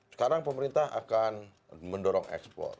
sekarang pemerintah akan mendorong ekspor